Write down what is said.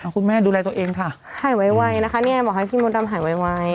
คุณแม่ดูแลตัวเองค่ะหายไวนะคะเนี่ยบอกให้พี่มดดำหายไว